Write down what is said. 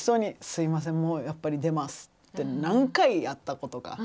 すいませんもうやっぱり出ますって何回やったことか。